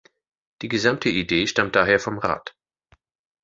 Die gesamte Idee stammt daher vom Rat.